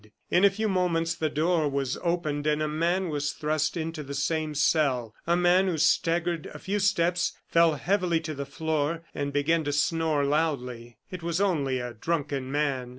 In a few moments the door was opened and a man was thrust into the same cell a man who staggered a few steps, fell heavily to the floor, and began to snore loudly. It was only a drunken man.